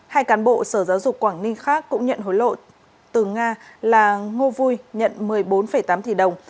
hai cán bộ sở giáo dục quảng ninh khác cũng nhận hối lộ từ nga là ngô vui nhận một mươi bốn tám tỷ đồng